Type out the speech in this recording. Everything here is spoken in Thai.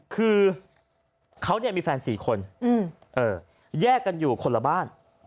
คือเขามีแฟน๔คนแยกกันอยู่คนละบ้าน